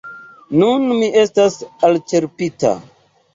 Nun mi estas elĉerpita.